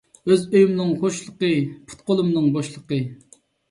ئۆز ئۆيۈمنىڭ خۇشلىقى، پۇت قۇلۇمنىڭ بوشلىقى.